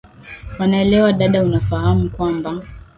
wanaelewa dada unafahamu kwamba